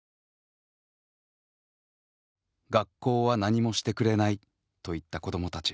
学校は何もしてくれないと言った子どもたち。